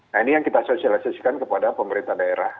nah ini yang kita sosialisasikan kepada pemerintah daerah